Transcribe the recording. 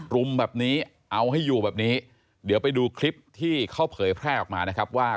รุมแบบนี้เอาให้อยู่แบบนี้เดี๋ยวไปดูคลิปที่เขาเผยแพร่ออกมานะครับว่า